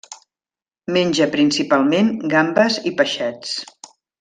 Menja principalment gambes i peixets.